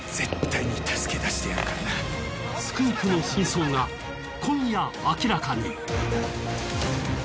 スクープの真相が今夜明らかに。